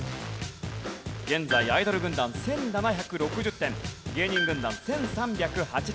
現在アイドル軍団１７６０点芸人軍団１３８０点。